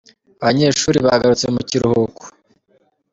Abanyeshuri bagarutse mu kiruhuko.